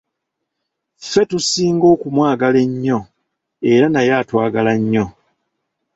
Ffe, tusinga okumwagala ennyo era naye atwagala nnyo.